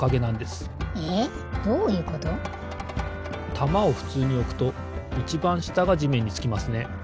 たまをふつうにおくといちばんしたがじめんにつきますね。